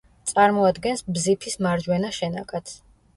წარმოადგენს ბზიფის მარჯვენა შენაკადს.